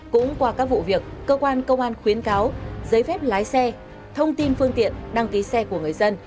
cũng qua các vụ việc cơ quan công an khuyến cáo giấy phép lái xe thông tin phương tiện đăng ký xe của người dân